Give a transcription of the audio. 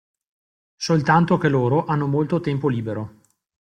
Soltanto che loro hanno molto tempo libero.